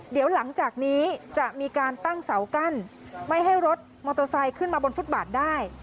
เดี๋ยวหลังจากนี้จะมีการตั้งเสากั้นไม่ให้รถมอเตอร์ไซค์ขึ้นมาบนฟุตบาทได้